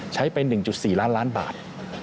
ใช้ไป๑๔ล้านบาท